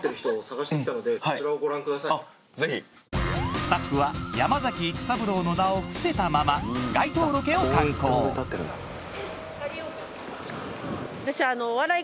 スタッフは山崎育三郎の名を伏せたまま街頭ロケを敢行ハハハ。